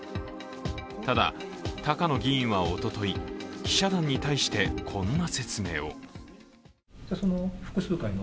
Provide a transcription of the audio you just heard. ただ、高野議員はおととい記者団に対してこんな説明を。